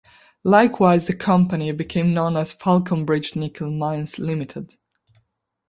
Likewise, the company became known as Falconbridge Nickel Mines Limited.